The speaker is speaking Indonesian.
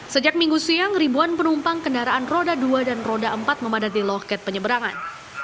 sejak minggu siang ribuan penumpang kendaraan roda dua dan roda empat memadati loket penyeberangan